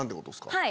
はい。